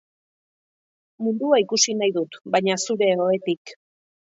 mundua ikusi nahi dut, baina zure ohetik.